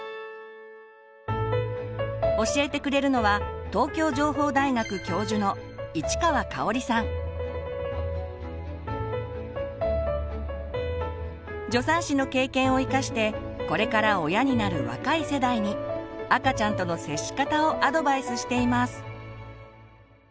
教えてくれるのは助産師の経験を生かしてこれから親になる若い世代に赤ちゃんとの接し方をアドバイスしています。